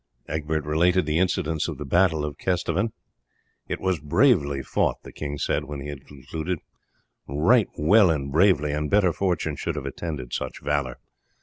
Egbert related the incidents of the battle of Kesteven. "It was bravely fought," the king said when he had concluded; "right well and bravely, and better fortune should have attended such valour.